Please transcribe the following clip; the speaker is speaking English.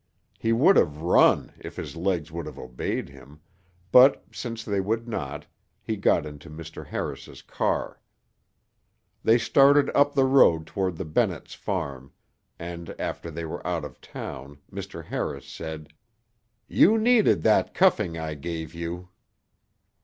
He would have run if his legs would have obeyed him, but since they would not, he got into Mr. Harris's car. They started up the road toward the Bennetts' farm, and after they were out of town, Mr. Harris said, "You needed that cuffing I gave you."